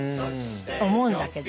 思うんだけど。